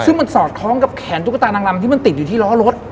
ซึ่งมันสอดคล้องกับแขนตุ๊กตานางลำที่มันติดอยู่ที่ล้อรถ